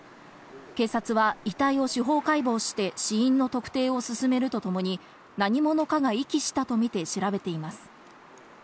警察は遺体を司法解剖して死因の特定を進めるとともに何者かが遺棄したとみて調べています。